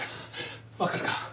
分かるか？